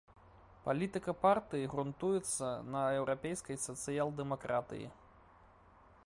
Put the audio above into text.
Палітыка партыі грунтуецца на еўрапейскай сацыял-дэмакратыі.